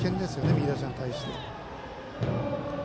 右打者に対しては。